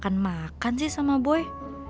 makan makan sih sama boy